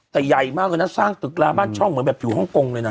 แต่ใหญ่มากเลยนะสร้างตึกลาบ้านช่องเหมือนแบบอยู่ฮ่องกงเลยนะ